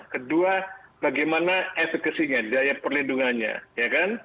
kedua bagaimana efekasinya daya perlindungannya